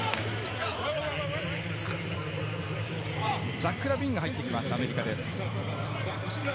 ザック・ラビーンが入ってきましたアメリカです。